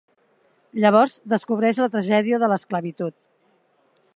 Llavors descobreix la tragèdia de l'esclavitud.